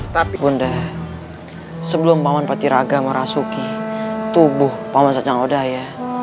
tapi bunda sebelum pak man patiraga merasuki tubuh pak man sacangodaya